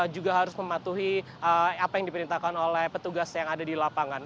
juga harus mematuhi apa yang diperintahkan oleh petugas yang ada di lapangan